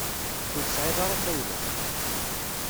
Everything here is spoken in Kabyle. Ur tesɛiḍ ara tawla.